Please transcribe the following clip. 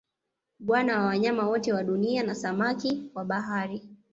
Bwana wa Wanyama wote wa Dunia na samaki wa Bahari